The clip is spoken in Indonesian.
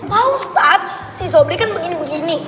pak ustadz si zobri kan begini begini